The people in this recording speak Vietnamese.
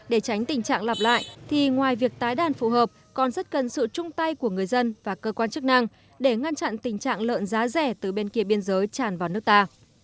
để tránh tình trạng lặp lại thì ngoài việc tái đàn phù hợp còn rất cần sự chung tay của người dân và cơ quan chức năng để ngăn chặn tình trạng lợn giá rẻ từ bên kia biên giới tràn vào nước ta